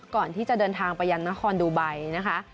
ก่อนที่จะเดินทางไปยังนครดูไบนะคะ